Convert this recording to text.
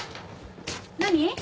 何？